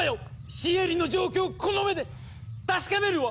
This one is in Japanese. シエリの状況をこの目で確かめるわ！